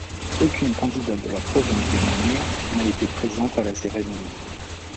Aucune candidate de la province de Namur n'a été présente à la cérémonie.